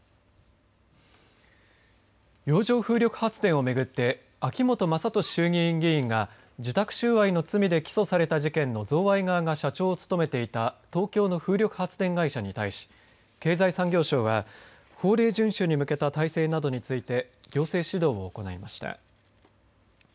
洋上風力発電を巡って秋本真利衆議院議員が受託収賄の罪で起訴された事件の贈賄側が社長を務めていた東京の風力発電会社に対し経済産業省は法令順守に向けた体制などについて行政指導を行いました。